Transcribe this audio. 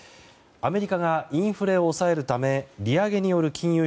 アメリカがインフレを抑えるため利上げによる金融